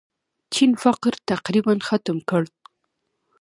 چین فقر تقریباً ختم کړ.